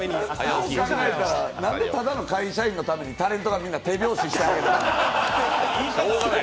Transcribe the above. なんで、ただの会社員のためにタレントが全員で手拍子してるの？